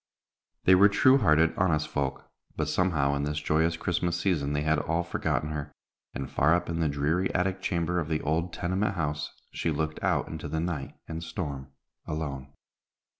They were true hearted, honest folk, but somehow in this joyous Christmas season they had all forgotten her, and, far up in the dreary attic chamber of the old tenement house, she looked out into the night and storm alone.